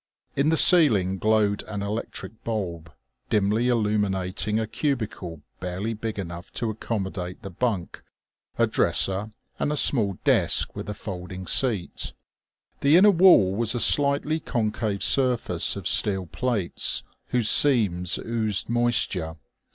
In the ceiling glowed an electric bulb, dimly illuminating a cubicle barely big enough to accommodate the bunk, a dresser, and a small desk with a folding seat. The inner wall was a slightly concave surface of steel plates whose seams oozed moisture.